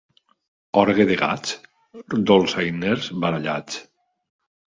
Orgue de gats, dolçainers barallats.